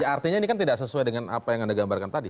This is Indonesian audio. artinya ini kan tidak sesuai dengan apa yang anda gambarkan tadi